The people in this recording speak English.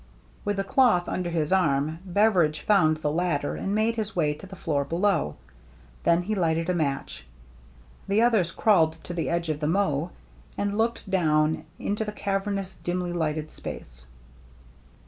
With the cloth under his arm Beveridge found the ladder and made his way to the floor below. Then he lighted a match. The others crawled to the edge of the mow and looked down into the cavernous, dimly lighted space.